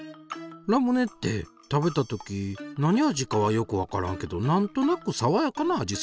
ラムネって食べた時なに味かはよくわからんけどなんとなくさわやかな味するやん？